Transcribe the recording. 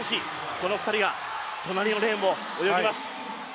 その２人が隣のレーンを泳ぎます。